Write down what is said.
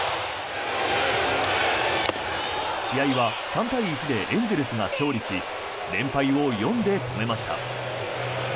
試合は３対１でエンゼルスが勝利し連敗を４で止めました。